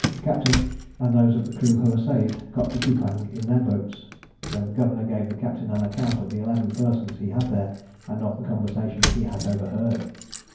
The captain, and those of the crew who were saved, got to Cupang in their boats; when the governor gave the captain an account of the eleven persons he had there, and of the conversation he had overheard.